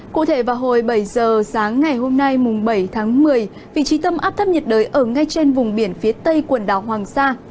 cụ thể vào hồi bảy giờ sáng ngày hôm nay bảy tháng một mươi vị trí tâm áp thấp nhiệt đới ở ngay trên vùng biển phía tây quần đảo hoàng sa